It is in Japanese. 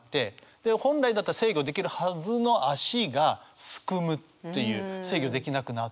で本来だったら制御できるはずの足が竦むっていう制御できなくなって。